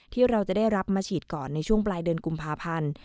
ที่เราจะได้รับมาฉีดก่อนในช่วงปลายเดือนกุมภาพันธ์